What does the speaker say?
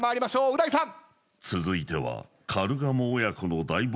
う大さん。